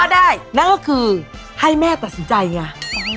ได้นั่นก็คือให้แม่ตัดสินใจไง